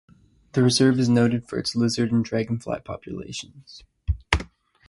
The reserve is noted for its lizard and dragonfly populations.